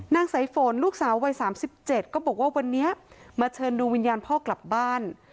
สายฝนลูกสาววัย๓๗ก็บอกว่าวันนี้มาเชิญดวงวิญญาณพ่อกลับบ้าน